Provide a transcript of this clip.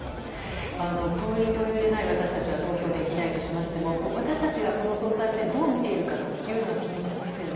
党員・党友ではない私たちは投票できないとしても私たちがこの総裁選どう見ているかは気にしていますよね。